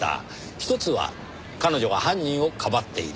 １つは彼女が犯人をかばっている。